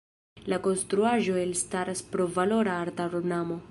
La konstruaĵo elstaras pro valora arta ornamo.